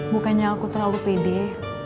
bukannya aku terlalu pede